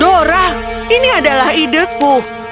dora ini adalah ideku